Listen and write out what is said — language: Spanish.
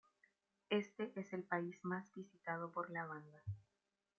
Este es el país más visitado por la banda.